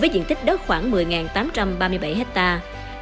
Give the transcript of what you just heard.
điện tích đất khoảng một mươi tám trăm ba mươi bảy hectare